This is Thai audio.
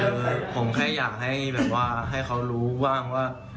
คือผมแค่อยากให้แบบว่าให้เขารู้บ้างว่า